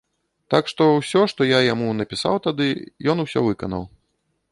Так што, усё, што я яму напісаў тады, ён усё выканаў.